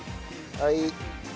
はい。